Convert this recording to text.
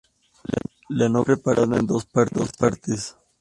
La novela está separada en dos partes.